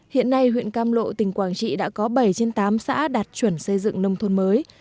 hiện nay huyện cam lộ tỉnh quảng trị đã có bảy trên tám xã đạt chuẩn xây dựng nông thôn mới